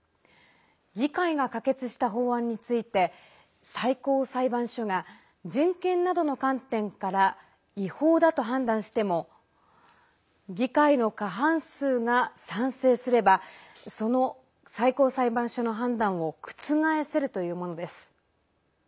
議会が可決した法案について最高裁判所が人権などの観点から違法だと判断しても議会の過半数が賛成すればその最高裁判所の判断を覆せるというものです。